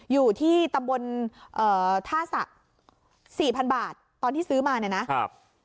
อยู่ที่ตำบลเอ่อท่าสะสี่พันบาทตอนที่ซื้อมาเนี่ยนะครับ